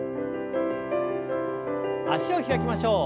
脚を開きましょう。